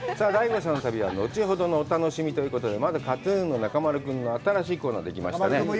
ＤＡＩＧＯさんの旅は後ほどのお楽しみということで、まずＫＡＴ−ＴＵＮの中丸君の新しいコーナーができましたね。